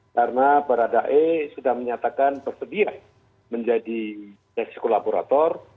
karena barada eliezer sudah menyatakan bersedia menjadi justice collaborator